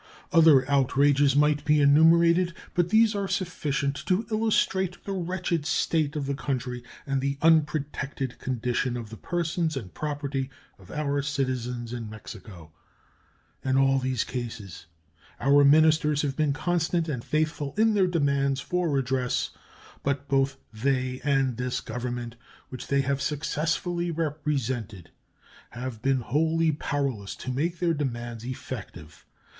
Other outrages might be enumerated, but these are sufficient to illustrate the wretched state of the country and the unprotected condition of the persons and property of our citizens in Mexico. In all these cases our ministers have been constant and faithful in their demands for redress, but both they and this Government, which they have successively represented, have been wholly powerless to make their demands effective.